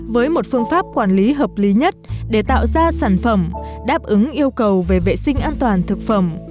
với một phương pháp quản lý hợp lý nhất để tạo ra sản phẩm đáp ứng yêu cầu về vệ sinh an toàn thực phẩm